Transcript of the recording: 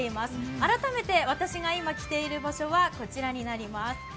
改めて私が今来ている場所はこちらになります。